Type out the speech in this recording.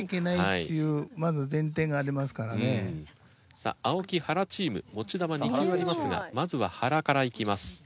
さあ青木・原チーム持ち球２球ありますがまずは原から行きます。